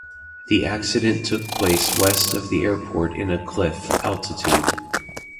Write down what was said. The accident took place west of the airport in a cliff, altitude.